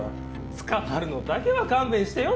捕まるのだけは勘弁してよ？